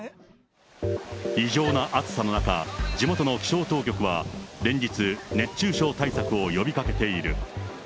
異常な暑さの中、地元の気象当局は、連日、熱中症対策を呼びかけている。